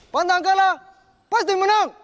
pantang kalah pasti menang